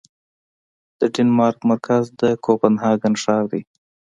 د ډنمارک مرکز د کوپنهاګن ښار دی